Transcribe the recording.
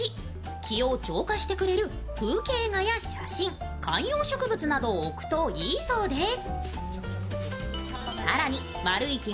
気を浄化してくれる風景画や写真観葉植物などを置くといいそうです。